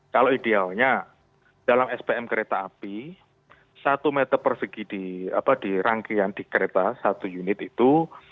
kalau idealnya dalam spm kereta api satu meter persegi di rangkaian di kereta satu unit itu